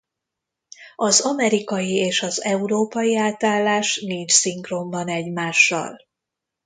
Az amerikai és az európai átállás nincs szinkronban egymással.